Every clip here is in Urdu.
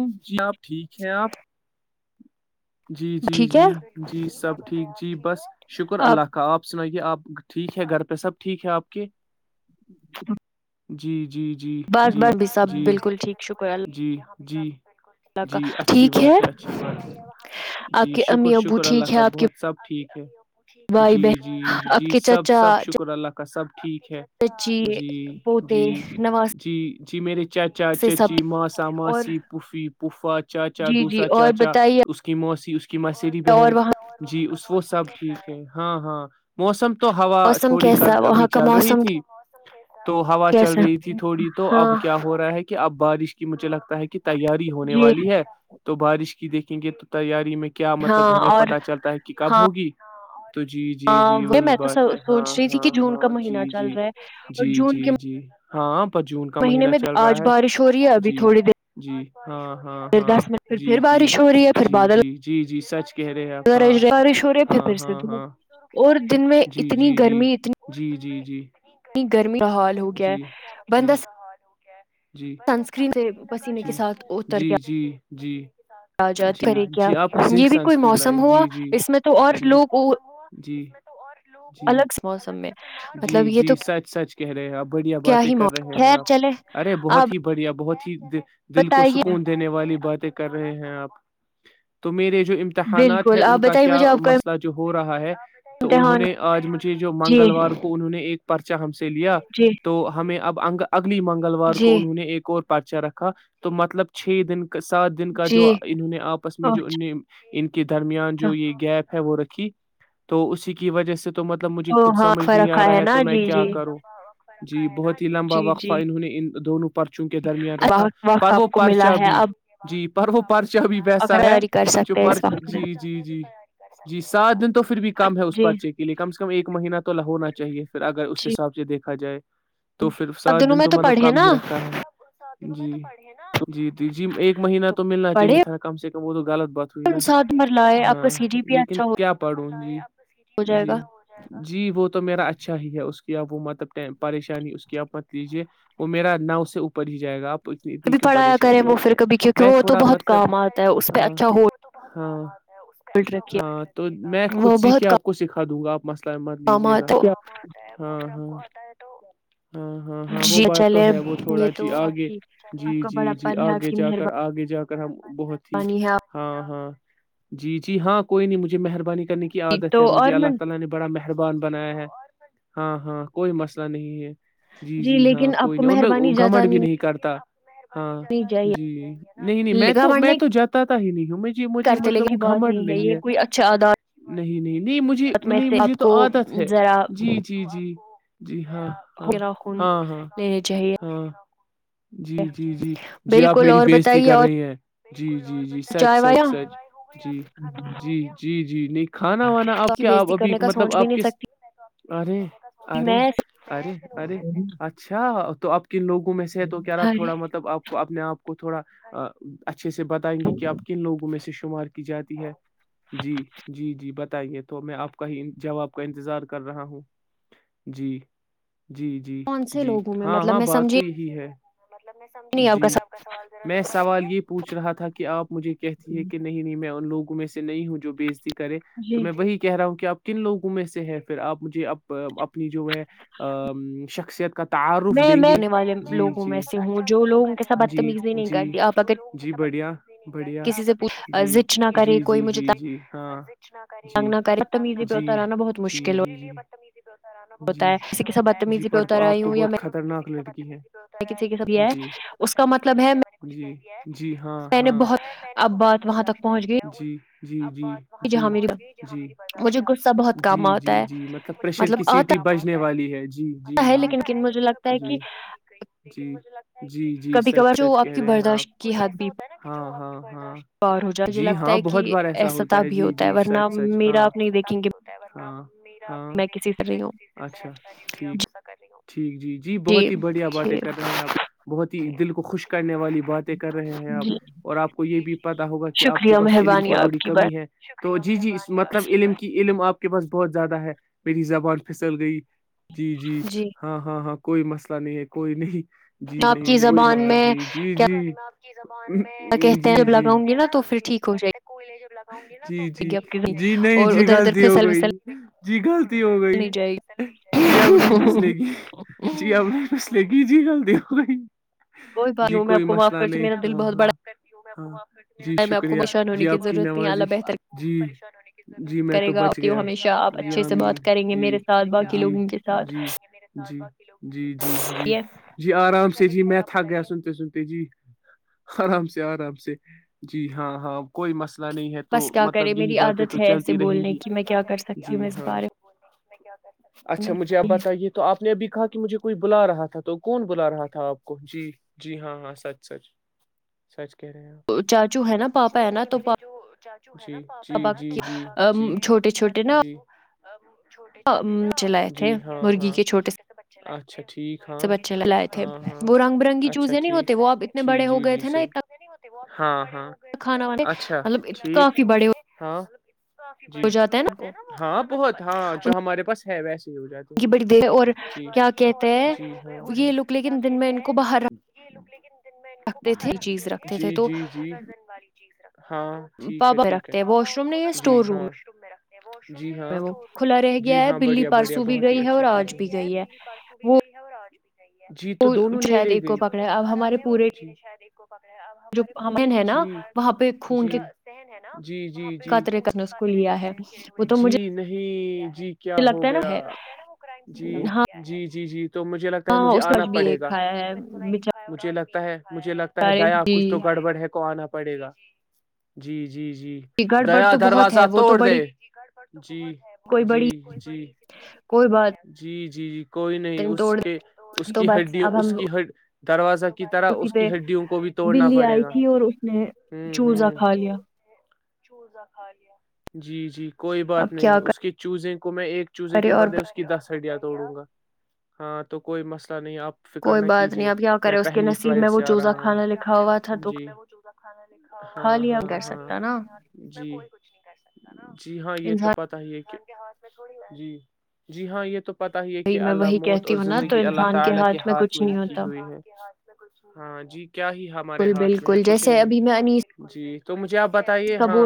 م جی آپ ٹھیک ہیں آپ جی جی جی جی سب ٹھیک جی بس شکر اللہ کا آپ سے سنائیے آپ ٹھیک ہے گھر پہ سب ٹھیک ہے آپ کے [unintelligible] جی جی جی جی جی جی جی جی اچھی بات ہے اچھی بات ہے جی شکر شکر اللہ کا بہت سب ٹھیک ہے جی جی جی سب سب شکر اللہ کا [unintelligible] ٹھیک ہے جی جی جی جی میرے چاچا چاچی ماسا ماسی پوفی پوفا چاچا دوسرا چاچا اس کے موسی کہ مسری بہن جی اس وہ سب ٹھیک ہے ہاں ہاں موسم تو ہوا تھوڑی کر ابھی چل رہی تھی تو ہوا چل رہی تھی تھوڑی تو اب کیا ہو رہا ہے کہ اب بارش مجھے لگتا ہے کہ تیاری ہونے والی ہے تو بارش کی دیکھیں گے تو تیاری میں کیا مطلب ہمیں پتا چلتا ہے کہ کب ہوگی تو جی جی جی وہی بات ہے ہاں ہاں ہاں جی جی جی جی جی ہاں مہینے میں آج بارش ہو رہی ہے ابھی تھوڑی دیر ہاں ہاں ہاں جی جی جی جی جی جی سچ کہہ رہے ہیں آپ ہاں ہاں ہاں ہاں جی جی جی جی جی جی نی گرمی بحال ہو گیا بندس جی سنک لگااہ وہ جی جی جی جی جی آپ کو زنک سنسکرن لائے جی جی جی جی جی جی جی سچ سچ کہہ رہے ہیں آپ بڑھیا باتیں کر رہے ہیں آپ ارے بہت ہی بڑھیا بہت ہی قد دل کو سکون دینے والی باتیں کر رہے ہیں آپ میرے جو امتحانات ہیں ان کا کیا مسئلہ جو ہو رہا ہے تو انہوں نے آج مجھے جو منگلوار کو انہوں نے ایک ہم سے لیا تو ہمیں اب اگک الی منگلوار کو انہوں نے ایک اور پرچا رکھا تو مطلب چھ دن کا سات دن کا جو انہوں نے آپس میں جو ان نے ان کے درمیان جو یہ گیپ ہے وہ رکھی تو اسی کی وجہ سے تو مطلب مجھے خود سمجھ نہیں آ رہا ہے تو میں کیا کروں جی بہت ہی لمبا وقفہ انہوں نے ان دونوں پرچوں کے درمیان رکھا پر وہ پرچا بھی جی پر وہ ب ویسا ہے جو پرچ جی جی جی جی سات دن تو پھر بھی کام ہے اس پرچے کے لیے کم سے کم ایک مہینہ تو ہونا چاہیے پھر اگر اس حساب سے دیک سا جائے تو پھر سات دن تو مطلب کام ہی رکھا ہے جی جی ج جی ایک مہینہ تو م یہ تھا کم سے وہ توغلط ب ہوئی نا ہاں لیکن کیا پڑوں جی جی جی وہ تو میرا اچھا ہی ہے اس یا وہ مطلب پریشانی اس کی آپ مت لیجے وہ میرا ناؤ سے اوپر ہی جائے گا آپ پو اتنی کیوں پریشانی دیتے ہیں میں تھوڑا مطلب ہ ہاں ہاں تو میں خود سیکھے آپ کو س ھا دوںا آپ مت لیجے گا کا آتا ہے ہاں ہاں آتا ہے تو ہاں ہاں ہاں وہ بات تو ہے وہ تھوڑا جی آگے جی جی جی آگے جا کر آگے جا کہم بہت ہی ہاں ہاں جی جی ہاں کوئی نہیں مجھے مہربانی نے کی عادت ہے مھے اللہ تعی نے بڑا محر مربان بنایا ہے ہاں ہاں کوئی مسئلہ نہیں ہے جی جی ہاں کوئی نہیں اور میں گھمٹ بھی نہیں کرتا ہاں جی [unintelligible] نہیں میں تو میں تو جاتا ہی نہیں ہوں م مجھے مطلب وہ گھمڑ نہیں ہے [unintelligible] نہیں نہیں نہیں مجھے نہیں مجھے تو عادت ہے جی جی جی جی ہاں ہاں ہاں ہاں ہاں جی جی جی جی آپ میری بج کر رہی ہے جی جی جی سچ سچ سچ جی جی جی جی جی ن کھانا وانا آپ کے آ ابھی مطلب آپ کس ارے ارے ارے ارے اچھا تو آپ کن لوگوں میں سے ہے تو کیا رہ آپ تھوڑا مطلب آپ کو اپنے آپ کو تھوڑا ا اچھ اھ سے بائیں گے کہ آپ کن لوگوں میں سے شمار کیا جاتی ہے جی جی جی بتائیے تو میں آپ کا ہی جواب کا انتظار کر رہا ہوں جی جی جی جی ہاں ہاں بات تو یہی ہے مطلب میں سمجھی نہیں آپ کا سوال میں سوال یہ پوچھ رہا تھا کہ آپ مجھے کہتی ہیں کہ نہیں نہیں میں ان لگوں میں سے نہیں ہوں جو بیزک [unintelligible] کرے تو میں وہی کہہ رہا ہوں کہ آپ کو [unintelligible] کن لوگوں میں سے ہے پھر آپ مجھے ا اپنی جو ہے شخصیت [unintelligible] میں میں آنے والے لوگوں میں سے ہوں جو لوگوں کے سب بدتمیزی جی جی بڑھیا بڑھیا جی جی جی جی جی ہاں جی جی جی جی [unintelligible] ب مشکل ہوتا ہے جی پ آپ تو بہت خطرناک لتے [unintelligible] [inaudible] کسی کے سب یہ ہے اس کا مطلب [unintelligible] ہو میں نے کچھ کہیا ہے [unintelligible] جی ہاں سب ہے میں نے بہت برداشت کر لیا جی ہاں جی جی جی جی جی جی مطلب پریشر کی سیٹی بجنے والی جی آتا ہے لیکن کرنا س گئی ہوں ج مج جی جی سچ جو آپ کی برداشت کی حد بھیار ہو جائے مجھے لگتا ہے کہ ایسا ت بھی ہوتا ہے ورنہ میرا آپ نہیں دیکھیں گے ہاں ہاں اچھا ٹھیک ٹھیک جی جی بہت ہی بڑھیا باتیں کر رہے ہیں آپ بہت ہی دلک خ خوش کرنے والی باتیں کر رہے ہیں آپ اور آپ کو یہ بھی پتا ہوگا کہ آپ کے پاس علم کی تھوڑی کمی ہے تو جی جی مطلب علم کی علم آپ کے پاس بہت زیادہ ہے میری زبان پھسل گئی جی جی ہاں ہاں ہاں کوئی مسئلہ نہیں ہے کوئی نہیں آپ کی زبان میں جی جی بق کہتے ہیں اب لگاؤں گی نا تو پھر ٹھیک ہو جائے گی جی جی جی نہیں جی غلطی ہو گئی جی غلطی ہو گئی جی اب نہیں پسلے گی جی اب نہیں پسلے گی تی جی گل د ہو بائی کوئی بات نہیںوں میں آپ کو معاف کرچی میرا دل بہت بڑا ا جی شکریہ جی آپ کی نمازش جی [inaudible] جی میں تو بچ گیا جیامین جی جی جی جی جی جی جی جی آرام سے جی میں تھک گسن سنتے جی آرام سے آرام سے جی ہاں ہاں کوئی مسئلہ نہیں ہے تو مطلب یہی باتیں تو چلتی رہیں گی جی ہاں اچھا مجھے اب بتائیے تو آپ نے ابھی کہا کہ مجھے کوئی بلا رہا تھا تو کون بلا رہا تھا آپ کو جی جی ہاں ہاں سچ سچ سچ ے کچھ نہیں ہے میرے جو چاچو ہے نااپاا چھوٹے چھوٹے ن جی ہاں ہاں چھوٹے سے بچ اچھا ٹھیک ہاں چھ ہاں ہاں چز نہیں ہوتے وہ اب اتنے بڑے ہو گئے تھے نا انا کھانا مطلب کافی بڑے ہو آ جیات ہاں بہت ہاں جو ہمارے پاس ہے ویسے کی بڑی دیر اور کیا کہتے ہیں یہ لوگ لیکن دن میں ان کو باہر رکھتے تھے چیز رکھتے تھے تو چیز ر پاپا رکھتے ہیں واش روم نہیں ہے اسٹور روم میں وہ کھلا رہ گیا ہے بلی پرسو بھی گئی ہے اور آج بھی گئی ہے وہ جی تو دونوں لے لے گئی باہر آ گیا اور بیکڑا ہمارے پورےن ہے نا جی جی جی خ کےترے کترے گرے ہوئے جی نہیں جی کیا ہو گیا نا وہ کرم جی ی جی جی تو مجھے لگتا ہے مجھے آنا پڑے گا تو نہیںاا لگتا ہے مجھے لگتا ہے دیا کچھ تو گڑبڑ ہے کو آنا پڑے گا جی جی جی دیا دروازہ توڑ دے جی جی جی جی جی جی کوئی نہیں اس کے اس کی ہڈی اس کی ہ دروازہ اسی پہ بلی آئی تھی اور اس نے چورزا کھا لیا جی جی کوئی بات نہیں اس کی چوزیں کو میں ایک چوزیں کے بدلے اس کی دس ڈیاں توڑوں گا ہاں تو کوئی مسئلہ نہیں آپ کوئی بات جی میں پہلی فلائٹ سے آ رہا ہوں جی ہاں ہاں ہاں جی جی ہاں یہ تو پتا ہی اتھ جی جی ہاں یہ تو پتہ ہی ہے کہ اللہ موت اور زندگی اللہ تعالی کے ہاتھ ملی کی ہوئی ہے ہاں جی کیا ہی ہمارے ہاتھ میں ہے کچھ نہیں جی تو مجھے آپ بتائیے ہاں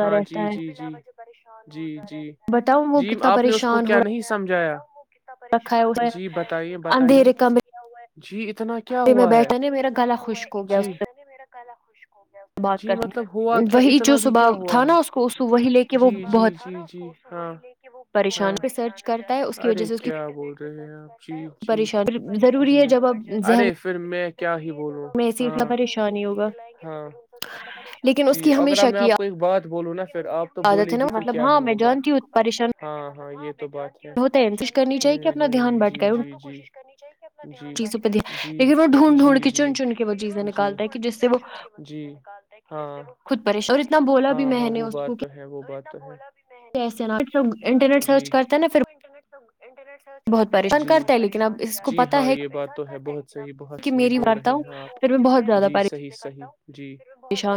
ہاں جی جی جی پریشان جی جی جی جی آپ نے اس کو کیا نہیں سمجھایا کتنا پریشان جی بتائیے بتائیے کیا ہوا ہے جی پھر میں بیٹھا نہیں میرا گلا خشک ہو گیا اس سے خشک جی مطلب ہوا کیا اتنا بھی کیا ہوا ہے جی جی جی جی ہاں ہاں ارے کیا بول تو جی جی ضروری ہے جب اپ ذہن میں کیا ہی بولوں ہاں ہاں جی اگر اب میں آپ کو ایک بات بولوں نا پھر آپ تو بولے گی پھر کیا ہی ہوگا ہاں ہاں یہ تو بات کیا پریشان ہوتے کوشش کرنے جی جی جی جی جی جی ہاں ہاں ہاں وہ بات تو ہے وہ بات تو ہے کیسے نہ پھر انٹرنیٹ سرچ کرتے ہیں نا پھر تو انٹرنیٹ سرچ کرتا ہے نا جی بہت پریشان جی ہاں یہ بات تو ہے بہت صحیح بہت صحیح بول رہے ہیں آپ جی صحیح صحیح جی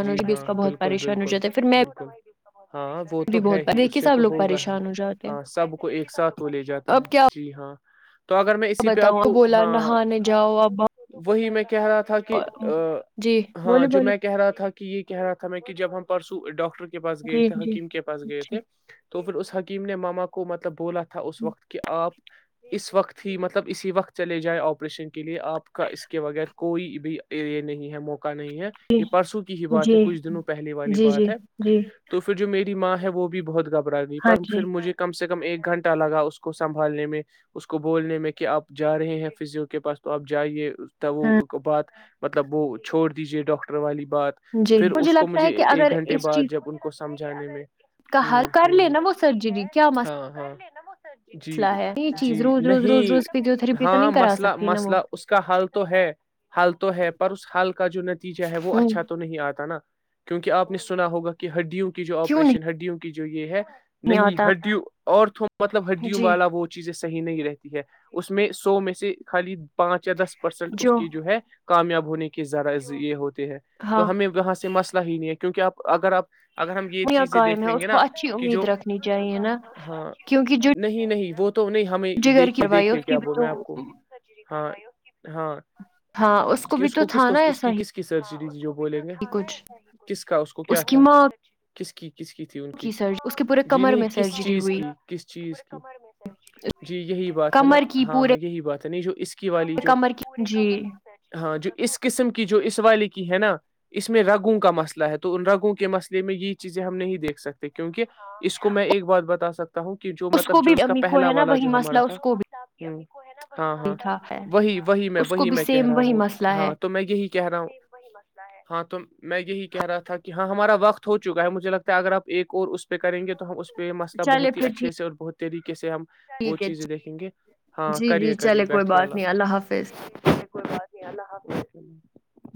جی ہاں بالکل بالکل بالکل ہاں وہ تو ہے ہی اس سے تو ہوگا ہی ہاں سب کو ایک ساتھ وہ لے جاتا ہے جی ہاں تو اگر بتاؤں اب بولا نہانہ جاؤ اب کہہ رہا تھا کہ ہاں جو میں کہہ رہا تھا کہ یہ کہہ رہا تھا ہم کہ جب ہم پرسو ڈاکٹر کے کے پاس گئے تھے حکیم کے پاس گئے تھے تو پھر اس حکیم نے ماما کو مطلب بولا تھا اس وقت کہ آپ اس وقت ہی مطلب مطب اسی وقت چل جائیں آپریشن کے لیے آپ کا اس کے بغیر کوئی بھی یہ نہیں ہے موقع نہیں ہے یہ پرسوں کی ہی بات ہے کچھ دنوں پہلے والی بات ہے تو پھر جو میری ماں ہے وہ بھی بہت گم گئی پر پھر مجھے کم سے کم ایک گھنٹہ لگا اس کو سنبھالنے میں اس کو بولنے میں کہ آپ جا رہے ہیں فزیو کے پاس تو آپ جائیے تو وہ بعات مطلب وہ چھوڑ دیجیے ڈاکٹر والی بعد پھر اس کو مجھے ایک گھنٹے بعد جب ان کو س سمجے میں ہ ہ ہاں ہاں مسئلہ ہے یہ چیز روز روز روز روز ہاں مسئلہ مسئلہ اس کا حال تو ہے حال تو ہے پر اس حال کا جو نتیجہ ہے وہ اچھا تو نہیں آتا نا کیونکہ آپ نے سنا ہوگا کہ ہڈیوں کی جو آپریشن ہےڈیوں کے جو یہ ہے نہیں ہڈیوں اور تو مطلب ہڈیوں والا وہ چیز صی نہیں رہتی ہے اس میں سو میں سے خالی پانچ یا دس پرسنٹ اس کی جو ہے کامیاب ہونے کی ذرا یہ ہو ہیں تو ہمیں وہاں سے مسئلہ ہی نہیں ہے کیونکہ آپ اگر آپ اگر ہم یہ چیزیں دیکھ لیں گے نا کہ جو ہاں نہیں نہیں تو نہیں ہمیں دیکھیے دیکھے کہ کیا بولنا ہے آپ کو ہاں ہاں کہ اس کو کس کو اس کی کس کی سرچ ج بولیں گے کس کا اس کو کیا تھا کس کی کس کی تھی ان کی جی نہیں کس چیز کی کس چیز کی جی یہی بات ہے نا ہاں گ کہی ب نہیں جو اس کی کمر کی جی اس قسم کی جو اس والے کی ہے نا اس میں رگوں کا مسئلہ ہے تو ان رگوں کے مسئلے میں یہ چیزیں ہم نہیں دیکھ سکتے کیونکہ اس کو میں ایک بات بتا ہوں کہ جو مطلب جو اس کا پہلا والا جو ہمارا تھا ہے نا ہاں ہاں وہی وہی میں وہی میں کہہ رہا ہوں ہاں تو میں یہی کہہ رہا ہوں ہاں تو میں یہی کہہ رہا تھا کہ ہاں ہمارا وقت ہو چکا ہے مجھے لگتا ہے اگر آپ ایک اور اس پہ کریں گے تو ہم اسہ مسئلہ بہت ہی اچھے سے اور بہت ہی طریقے سے ہم وہ چیزیں دیکھیں گے جی جی چلے کوئی بات نہیں اللہ حافظ او